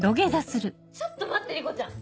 えっちょっと待って莉子ちゃん。